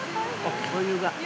お湯が。